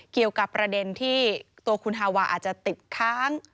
เกี่ยวกับประเด็นที่ตัวคุณฮาวาอาจจะติดค้าง